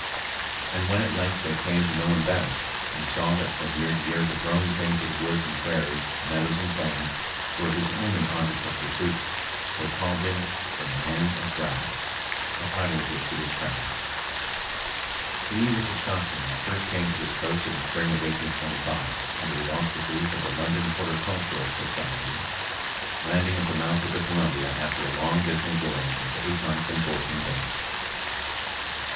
And when at length they came to know him better, and saw that from year to year the growing things of the woods and prairies, meadows and plains, were his only object of pursuit, they called him the "Man of Grass," a title of which he was proud. He was a Scotchman and first came to this coast in the spring of 1825 under the auspices of the London Horticultural Society, landing at the mouth of the Columbia after a long dismal voyage of eight months and fourteen days.